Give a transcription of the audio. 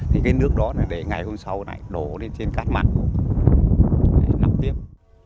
thì cái nước đó để ngày hôm sau này đổ lên trên cát mặn nằm tiếp